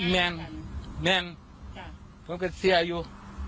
แม่นซักแค่เสียอยู่